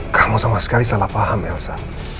kamu sama sekali salah paham elsa